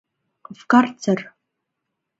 — В карцер!